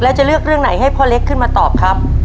แล้วจะเลือกเรื่องไหนให้พ่อเล็กขึ้นมาตอบครับ